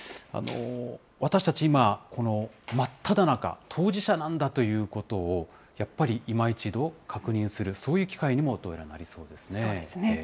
私たち、今、この真っただ中、当事者なんだということをやっぱりいま一度、確認する、そういうそうですね。